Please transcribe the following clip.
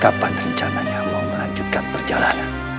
kapan rencananya mau melanjutkan perjalanan